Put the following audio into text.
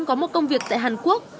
có một công việc tại hàn quốc